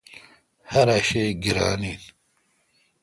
ہر اؘ شہ گیران این۔